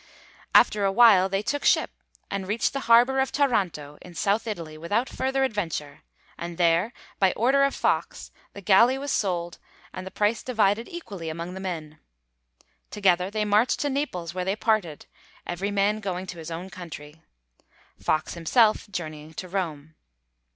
After a while they took ship, and reached the harbour of Taranto in south Italy without further adventure, and there by order of Fox the galley was sold and the price divided equally among the men. Together they marched to Naples where they parted, every man going to his own country, Fox himself journeying to Rome.